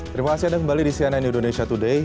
terima kasih anda kembali di cnn indonesia today